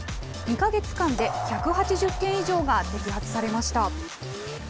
２か月間で１８０件以上が摘発されました。